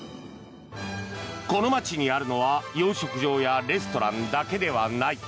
この街にあるのは養殖場やレストランだけではない。